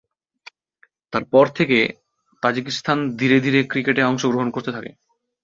তার পর থেকে তাজিকিস্তান ধীরে ধীরে ক্রিকেটে অংশগ্রহণ করতে থাকে।